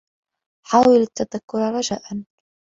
حاول التّذكّر رجاءا.